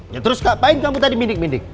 ya terus kak apa yang kamu tadi mindik mindik